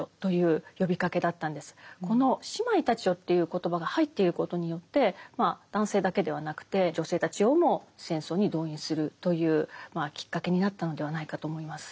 この「姉妹たちよ」という言葉が入っていることによって男性だけではなくて女性たちをも戦争に動員するというきっかけになったのではないかと思います。